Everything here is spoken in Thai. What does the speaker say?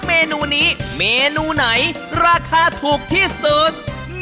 เมนูนี้เมนูไหนราคาถูกที่สุด